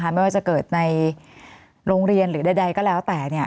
ไม่ว่าจะเกิดในโรงเรียนหรือใดก็แล้วแต่